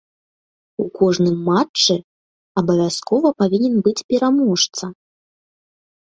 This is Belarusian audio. У кожным матчы абавязкова павінен быць пераможца.